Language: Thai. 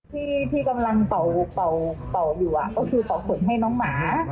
ที่พี่กำลังเป่าอยู่ก็คือเป่าขนให้น้องหมา